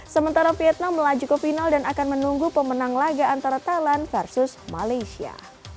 sementara vietnam melaju ke final dan akan menunggu pemenang laga antara thailand versus malaysia